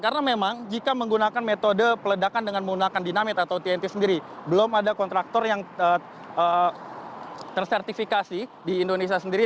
karena memang jika menggunakan metode peledakan dengan menggunakan dinamit atau tnt sendiri belum ada kontraktor yang tersertifikasi di indonesia sendiri